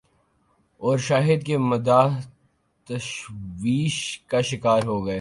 اور شاہد کے مداح تشویش کا شکار ہوگئے۔